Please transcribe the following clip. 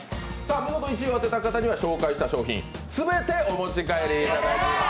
見事１位を当てた方は紹介した商品全てお持ち帰りいただきます。